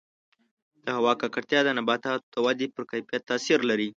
د هوا ککړتیا د نباتاتو د ودې پر کیفیت تاثیر لري.